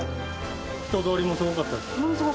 人通りもすごかった？